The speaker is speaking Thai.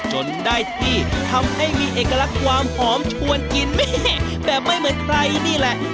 จนได้ที่ทำให้มีเอกลักษณ์ความหอมชวนกินแม่แบบไม่เหมือนใครนี่แหละ